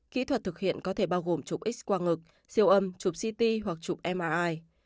kỹ thuật thực hiện có thể bao gồm chụp x quang ngực siêu âm chụp ct hoặc chụp mi